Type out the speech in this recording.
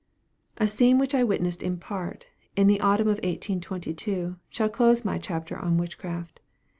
A scene which I witnessed in part, in the autumn of 1822, shall close my chapter on witchcraft.